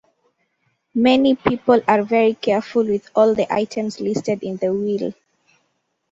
Many people are very careful with all the items listed in the will.